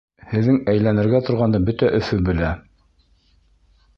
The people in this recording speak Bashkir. Һеҙҙең әйләнергә торғанды бөтә Өфө белә.